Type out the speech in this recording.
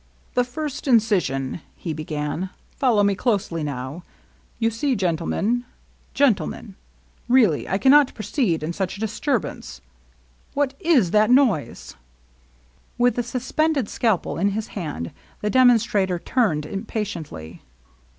"The first incision" — he began. "Follow me closely, now. You see — Gentlemen ? Gentlemen ! Really, I cannot proceed in such a disturbance — What 18 that noise ?" With the suspended scalpel in his hand, the demonstrator turned impatiently.